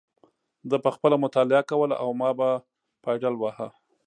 ده به خپله مطالعه کوله او ما به پایډل واهه.